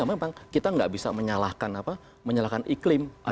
ya memang kita tidak bisa menyalahkan iklim